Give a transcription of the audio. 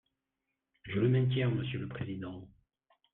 Je le maintiens, monsieur le président.